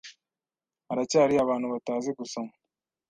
Haracyari abantu batazi gusoma.